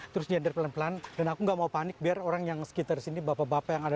terus nyender pelan pelan dan aku nggak mau panik biar orang yang sekitar sini bapak bapak yang ada